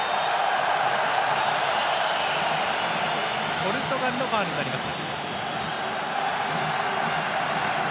ポルトガルのファウルになりました。